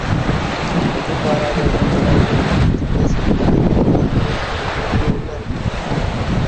எதிர்பாராதவிதமாக அவர்கள் இனித்துப் பேசித் தனித்து இருந்த நிலையில் தோட்டத்து வழியே உள் அறைக்குச் சென்றான்.